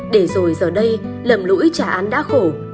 để rồi giờ đây lầm lũi trả án đã khổ